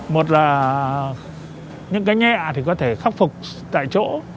một là những cái nhẹ thì có thể khắc phục tại chỗ